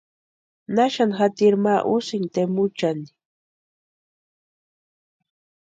¿Naxani jatiri ma úsïnki tempuchani?